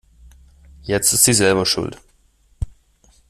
Jetzt ist sie selber schuld.